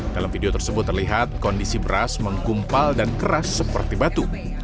dalam video tersebut terlihat kondisi beras menggumpal dan keras seperti batu